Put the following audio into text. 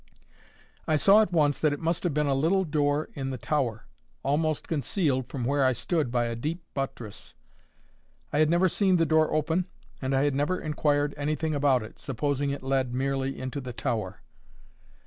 I saw at once that it must have been a little door in the tower, almost concealed from where I stood by a deep buttress. I had never seen the door open, and I had never inquired anything about it, supposing it led merely into the tower.